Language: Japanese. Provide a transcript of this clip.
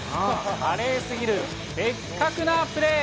華麗すぎるベッカクなプレー。